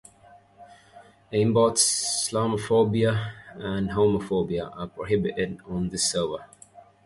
Aimbots, Islamophobia and Homophobia are prohibited on this server.